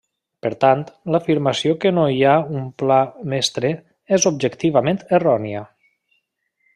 Per tant, l'afirmació que no hi ha un pla mestre és objectivament errònia.